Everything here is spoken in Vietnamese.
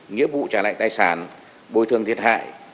nghĩa vụ trả lại tài sản bồi thường thiệt hại